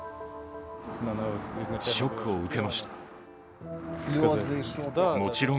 ショックを受けました。